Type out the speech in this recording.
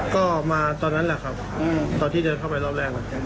ก็มาตอนนั้นแหละครับตอนที่เดินเข้าไปรอบแรก